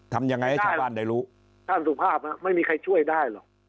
ทำยังไงให้ชาวบ้านได้รู้ท่านสุภาพไม่มีใครช่วยได้หรอก